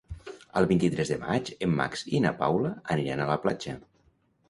El vint-i-tres de maig en Max i na Paula aniran a la platja.